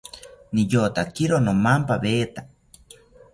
Niyotakiro nomampaweta